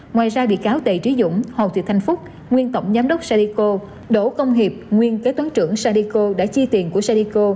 ngoài ra bị cáo tề trí dũng hồ thị thanh phúc nguyên tổng giám đốc sadico đỗ công hiệp nguyên kế toán trưởng sadico đã chi tiền của sadico